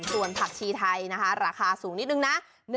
ส่วนผักชีไทยนะคะราคาสูงนิดนึงนะ